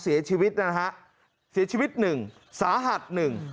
เสียชีวิตนะฮะเสียชีวิตหนึ่งสาหัสหนึ่ง